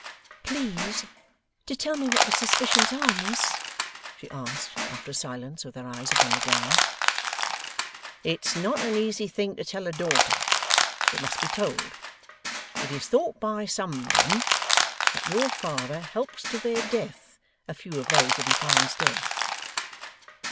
'Please to tell me what the suspicions are, Miss,' she asked after a silence, with her eyes upon the ground. 'It's not an easy thing to tell a daughter, but it must be told. It is thought by some, then, that your father helps to their death a few of those that he finds dead.